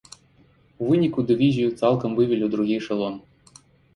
У выніку, дывізію цалкам вывелі ў другі эшалон.